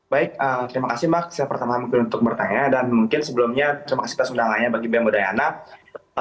baik terima kasih mbak saya pertama mungkin untuk bertanya dan mungkin sebelumnya terima kasih atas undangannya bagi bem buddhayana